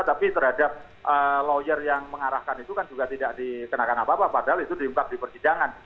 tapi terhadap lawyer yang mengarahkan itu kan juga tidak dikenakan apa apa padahal itu diungkap di persidangan